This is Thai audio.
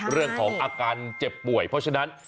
เรื่องของอาการเจ็บป่วยเพราะฉะนั้น